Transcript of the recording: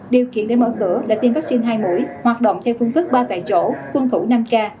điều kiện để mở cửa đã tiêm vaccine hai mũi hoạt động theo phương phức ba tại chỗ phương thủ năm k